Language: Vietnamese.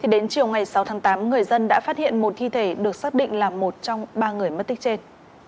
đến chiều ngày sáu tháng tám người dân đã phát hiện một thi thể được xác định là một trong ba người mất tích trên